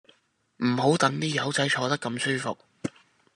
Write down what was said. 唔好等啲友仔坐得咁舒服